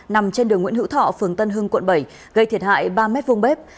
nằm trên đường nguyễn hữu thọ phường tân hưng quận bảy gây thiệt hại ba m vùng bếp